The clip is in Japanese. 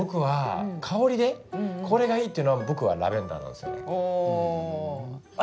香りでこれがいいっていうのは僕はラベンダーなんですよね。